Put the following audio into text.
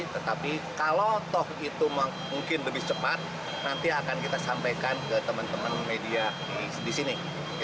meminta tim yang bertugas segera menyelesaikan masalah ini